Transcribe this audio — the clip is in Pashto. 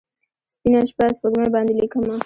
سپینه شپه، سپوږمۍ باندې لیکمه